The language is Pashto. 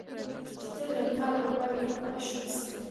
چې ته د کار په پای کې خوښ اوسې.